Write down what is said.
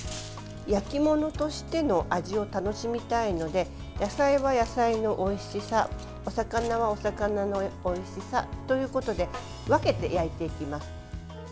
焼き物としての味を楽しみたいので野菜は野菜のおいしさお魚はお魚のおいしさということで分けて焼いていきます。